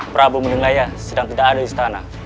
prabu munding laya sedang tidak ada di istana